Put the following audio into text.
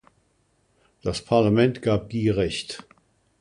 Das Parlement gab Guy recht.